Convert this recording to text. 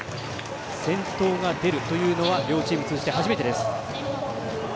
先頭が出るというのは両チーム通じて初めてです。